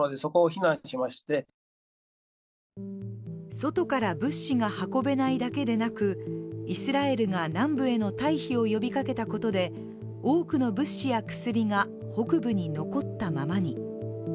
外から物資が運べないだけでなくイスラエルが南部への退避を呼びかけたことで多くの物資や薬が北部に残ったままに。